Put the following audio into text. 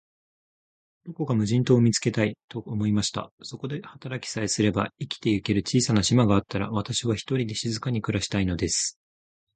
どこか無人島を見つけたい、と思いました。そこで働きさえすれば、生きてゆける小さな島があったら、私は、ひとりで静かに暮したいのです。